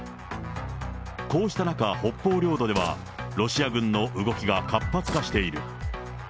こうした中、北方領土では、ロシア軍の動きが活発化している。